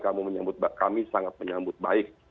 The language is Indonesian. kami sangat menyambut baik